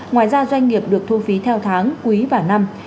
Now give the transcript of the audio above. ngoài ra doanh nghiệp được thu phí theo tháng quý và năm